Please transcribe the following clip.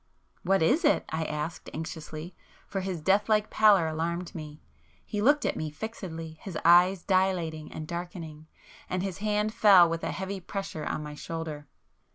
"What is it?" I asked anxiously, for his death like pallor alarmed me. He looked at me fixedly, his eyes dilating and darkening, and his hand fell with a heavy pressure on my shoulder.